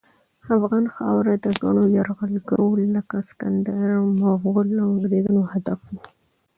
افغان خاوره د ګڼو یرغلګرو لکه سکندر، مغل، او انګریزانو هدف وه.